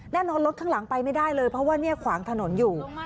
รถข้างหลังไปไม่ได้เลยเพราะว่าเนี่ยขวางถนนอยู่